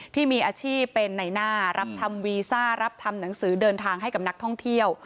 ที่มีอาชีพเป็นในหน้ารับทำวีซ่ารับทำหนังสือเดินทางให้กับนักท่องเที่ยว